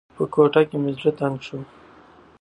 په کوټه کې مې زړه تنګ شو.